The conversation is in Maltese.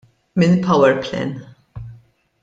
Minn PowerPlan.